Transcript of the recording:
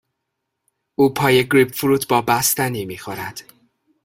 او پای گریپ فروت با بستنی می خورد.